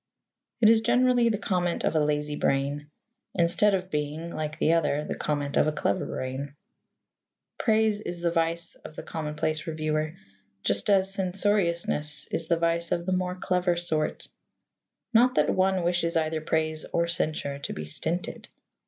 It is generally the comment of a lazy brain, instead of being, like the other, the comment of a clever brain. Praise is the vice of the commonplace reviewer, just as censoriousness is the vice of the more clever sort. Not that one wishes either praise or censure to be stinted.